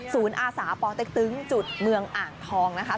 อาสาปอเต็กตึงจุดเมืองอ่างทองนะคะ